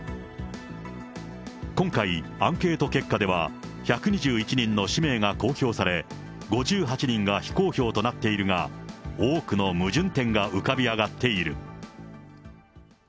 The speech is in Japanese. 今回、アンケート結果では、１２１人の氏名が公表され、５８人が非公表となっているが、多くの矛盾点が浮かび上がっている。